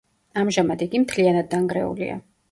ამჟამად იგი მთლიანად დანგრეულია.